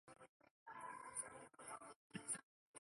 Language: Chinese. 该文物保护单位由集安市文物局管理。